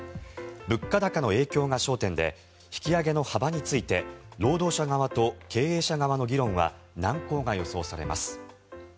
物価高の影響が焦点で引き上げの幅について労働者側と経営者側の議論は難航が予想されます。